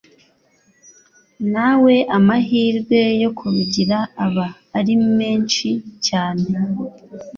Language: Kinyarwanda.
nawe amahirwe yo kurugira aba ari menshi cyane.